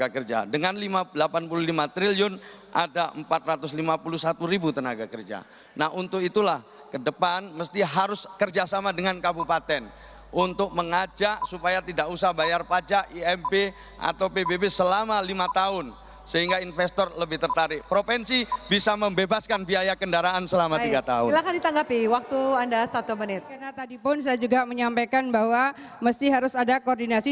karena tadi pun saya juga menyampaikan bahwa mesti harus ada koordinasi